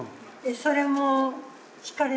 それも。